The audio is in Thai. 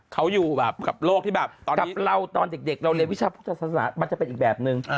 เขาอยู่แบบกับโลกที่แบบกับเราตอนเด็กเราเรียนวิชาพุทธศาสนามันจะเป็นอีกแบบนึง